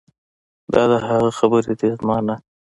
دا د هغه خبرې دي نه زما.